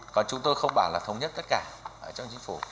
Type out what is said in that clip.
còn chúng tôi không bảo là thống nhất tất cả ở trong chính phủ